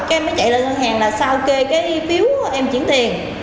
cái em mới chạy lên giao hàng là sao kê cái phiếu em chuyển tiền